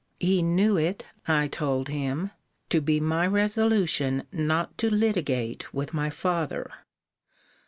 He knew it, I told him, to be my resolution not to litigate with my father.